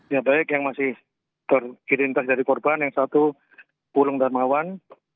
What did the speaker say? ya baik yang masih teridentitas dari korban yang satu pulung darmawan